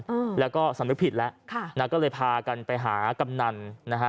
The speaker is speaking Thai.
อืมแล้วก็สำนึกผิดแล้วค่ะนะก็เลยพากันไปหากำนันนะฮะ